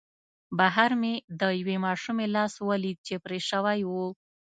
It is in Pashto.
بهر مې د یوې ماشومې لاس ولید چې پرې شوی و